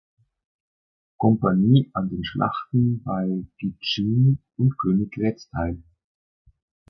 Kompanie an den Schlachten bei Gitschin und Königgrätz teil.